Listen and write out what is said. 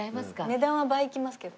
値段は倍いきますけど。